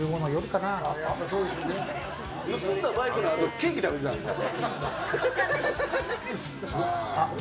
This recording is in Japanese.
盗んだバイクのあとケーキ食べてたんですか？